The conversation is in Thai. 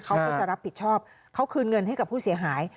เขาก็จะรับผิดชอบเขาคืนเงินให้กับผู้เสียหาย